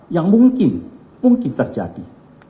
yang mungkin mungkin terjadi